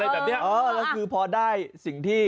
แล้วน้องคนนี้ก็เหมือนคนที่มาดูแล้วก็ขอเพลงอะไรแบบนี้